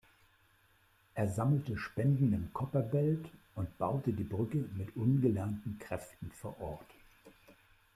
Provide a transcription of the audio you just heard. Er sammelte Spenden im Copperbelt und baute die Brücke mit ungelernten Kräften vor Ort.